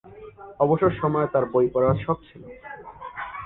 অবসর সময়ে তার বই পড়ার শখ রয়েছে।